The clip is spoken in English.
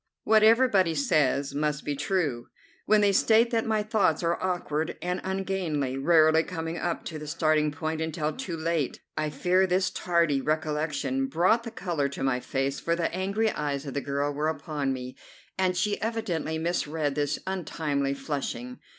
What everybody says must be true when they state that my thoughts are awkward and ungainly, rarely coming up to the starting point until too late. I fear this tardy recollection brought the colour to my face, for the angry eyes of the girl were upon me, and she evidently misread this untimely flushing.